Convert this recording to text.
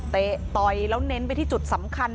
ต่อยแล้วเน้นไปที่จุดสำคัญ